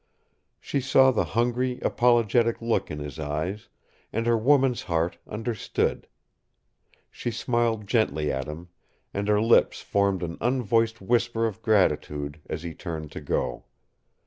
She saw the hungry, apologetic look in his eyes, and her woman's heart understood. She smiled gently at him, and her lips formed an unvoiced whisper of gratitude as he turned to go.